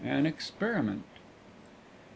AN EXPERIMENT V.